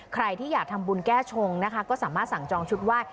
ใครที่อยากทำบุญแก้ชงนะคะก็สามารถสั่งจองชุดไหว้